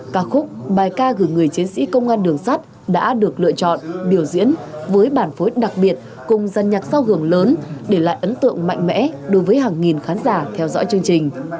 các khúc bài ca gửi người chiến sĩ công an đường sắt đã được lựa chọn biểu diễn với bản phối đặc biệt cùng dàn nhạc sao hưởng lớn để lại ấn tượng mạnh mẽ đối với hàng nghìn khán giả theo dõi chương trình